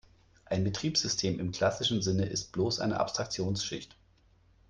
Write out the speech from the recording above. Ein Betriebssystem im klassischen Sinne ist bloß eine Abstraktionsschicht.